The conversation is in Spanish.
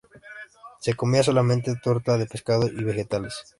Se comía solamente torta de pescado y vegetales.